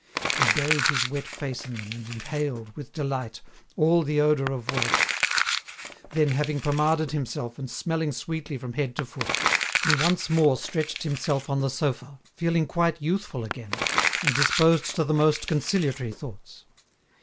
He buried his wet face in them, and inhaled, with delight, all the odour of wealth. Then, having pomaded himself, and smelling sweetly from head to foot, he once more stretched himself on the sofa, feeling quite youthful again, and disposed to the most conciliatory thoughts.